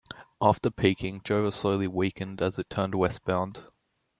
After peaking, Jova slowly weakened as it turned westbound.